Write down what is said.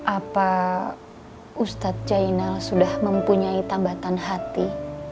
apa ustadz jainal sudah mempunyai tambatan hati